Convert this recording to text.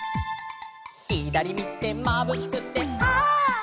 「ひだりみてまぶしくてはっ」